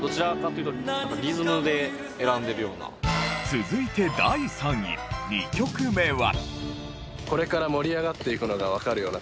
続いて第３位２曲目は。